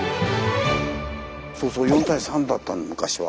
そうそう４：３だったの昔は。